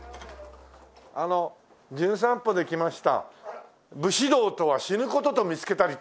あの『じゅん散歩』で来ました「武士道とは死ぬ事と見つけたり」っていうね。